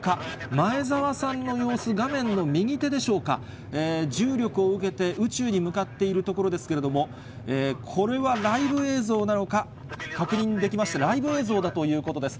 前澤さんの様子、画面の右手でしょうか、重力を受けて、宇宙に向かっているところですけれども、これはライブ映像なのか、確認できました、ライブ映像だということです。